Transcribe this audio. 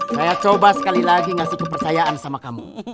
saya coba sekali lagi ngasih kepercayaan sama kamu